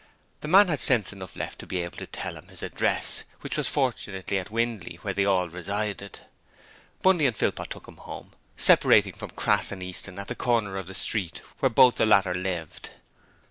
The man had sense enough left to be able to tell them his address, which was fortunately at Windley, where they all resided. Bundy and Philpot took him home, separating from Crass and Easton at the corner of the street where both the latter lived.